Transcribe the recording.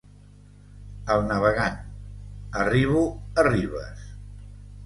El navegant: —Arribo a ribes.